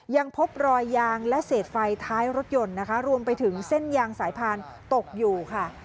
ยังพบรอยยางและเศษไฟท้ายรถยนต์นะคะรวมไปถึงเส้นยางสายพานตกอยู่ค่ะ